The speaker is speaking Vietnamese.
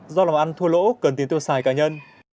do làm ăn thua lỗ cần tiền tiêu xài cá nhân